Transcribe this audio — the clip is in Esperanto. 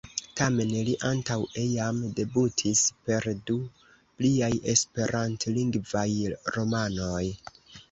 Tamen li antaŭe jam debutis per du pliaj esperantlingvaj romanoj.